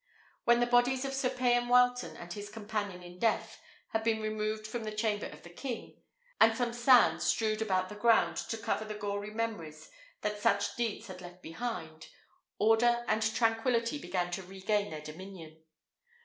When the bodies of Sir Payan Wileton and his companion in death had been removed from the chamber of the king, and some sand strewed upon the ground to cover the gory memories that such deeds had left behind, order and tranquillity began to regain their dominion.